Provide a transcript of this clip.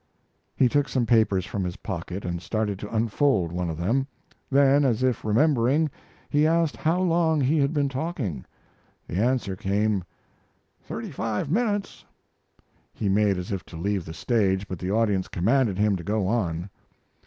He took some papers from his pocket and started to unfold one of them; then, as if remembering, he asked how long he had been talking. The answer came, "Thirty five minutes." He made as if to leave the stage, but the audience commanded him to go on.